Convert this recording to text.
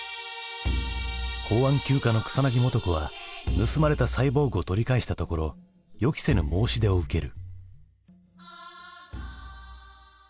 公安９課の草薙素子は盗まれたサイボーグを取り返したところ予期せぬ申し出を受ける。